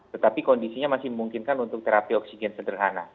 tetapi kondisinya masih memungkinkan untuk terapi oksigen sederhana